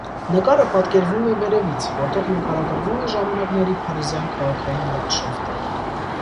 Նկարը պատկերվում է վերևից, որտեղ նկարագրվում է ժամանակների փարիզյան քաղաքային լանդշաֆտը։